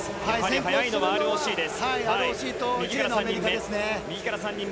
速いのはＲＯＣです。